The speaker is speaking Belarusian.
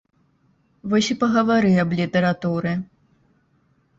Вось і пагавары аб літаратуры!